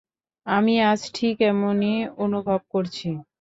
আমি আজ ঠিক এমনি অনুভব করছি।